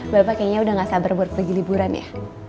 bapak kayaknya udah gak sabar buat pergi liburan ya